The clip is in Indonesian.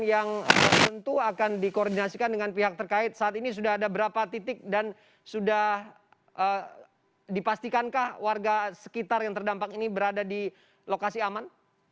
yang tentu akan dikoordinasikan dengan pihak terkait saat ini sudah ada berapa titik dan sudah dipastikankah warga sekitar yang terdampak ini berada di lokasi aman